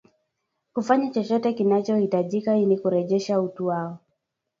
kufanya chochote kinachohitajika ili kurejesha utu wao